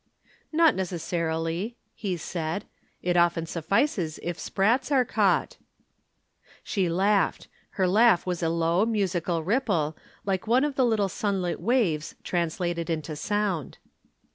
"Not necessarily," he said. "It often suffices if sprats are caught." She laughed. Her laugh was a low musical ripple, like one of the little sunlit waves translated into sound.